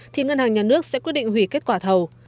thì ngân hàng nhà nước sẽ quyết định hủy kết quả thầu